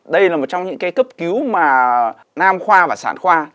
đây là một trong những cái cấp cứu mà nam khoa và sản khoa